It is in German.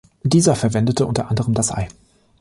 Dieser verwendete unter anderem das Ei.